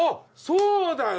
そうだよ。